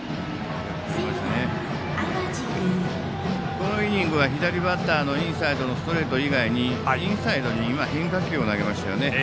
このイニングは左バッターのインサイドのストレート以外にインサイドに変化球を投げました。